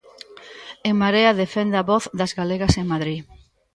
En Marea defende a voz das galegas en Madrid.